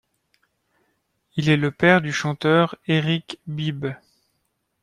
Il est le père du chanteur Eric Bibb.